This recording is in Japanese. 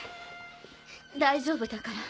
大丈夫だから。